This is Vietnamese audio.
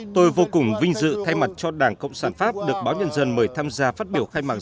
tôi vô cùng vinh dự thay mặt cho đảng cộng sản pháp được báo nhân dân mời tham gia phát biểu khai mạc